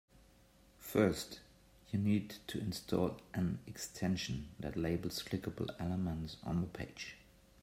First, you need to install an extension that labels clickable elements on the page.